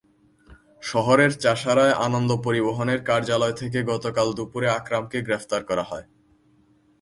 শহরের চাষাঢ়ায় আনন্দ পরিবহনের কার্যালয় থেকে গতকাল দুপুরে আকরামকে গ্রেপ্তার করা হয়।